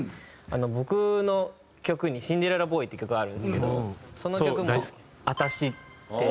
僕の曲に『シンデレラボーイ』って曲があるんですけどその曲も「あたし」って。